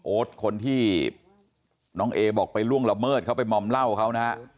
คนที่น้องเอบอกไปล่วงละเมิดเขาไปมอมเหล้าเขานะฮะ